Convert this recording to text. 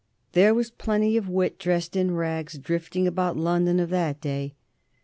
There was plenty of wit dressed in rags drifting about the London of that day.